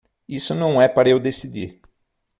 Isso não é para eu decidir.